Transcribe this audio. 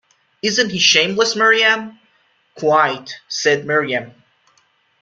“Isn’t he shameless, Miriam?” “Quite,” said Miriam.